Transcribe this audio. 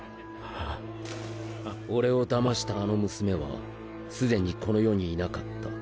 ああ俺を騙したあの娘はすでにこの世にいなかった。